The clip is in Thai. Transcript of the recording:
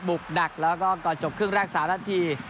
กดักแล้วก็ก่อนจบครึ่งแรก๓นาที